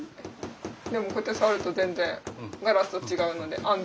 でもこうやって触ると全然ガラスと違うので安全。